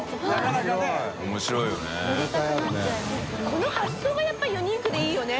この発想がやっぱユニークでいいよね。